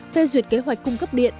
phê duyệt kế hoạch cung cấp điện